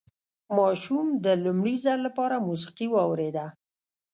ماشوم د لومړي ځل لپاره موسيقي واورېده.